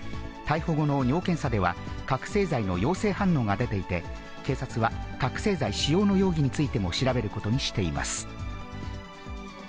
逮捕後の尿検査では、覚醒剤の陽性反応が出ていて、警察は覚醒剤使用の容疑についても調べることにしています。